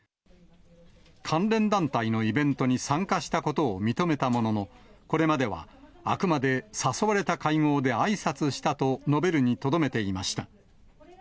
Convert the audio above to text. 関連団体のイベントに参加したことを認めたものの、これまではあくまで誘われた会合であいさつしたと述べるにとどめていました。